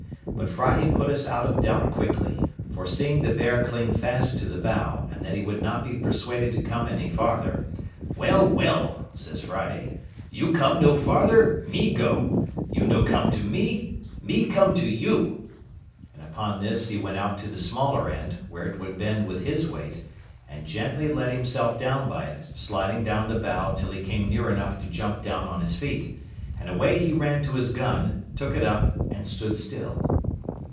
But Friday put us out of doubt quickly: for seeing the bear cling fast to the bough, and that he would not be persuaded to come any farther, "Well, well," says Friday, "you no come farther, me go; you no come to me, me come to you;" and upon this he went out to the smaller end, where it would bend with his weight, and gently let himself down by it, sliding down the bough till he came near enough to jump down on his feet, and away he ran to his gun, took it up, and stood still.